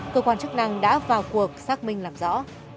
cơ quan chức năng đã vào cuộc xác minh làm rõ